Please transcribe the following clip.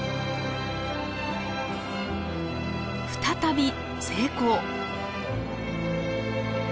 再び成功！